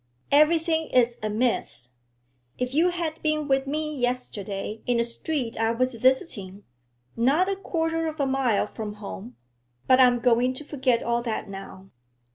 'Everything is amiss. If you had been with me yesterday in a street I was visiting, not a quarter of a mile from home But I'm going to forget all that now.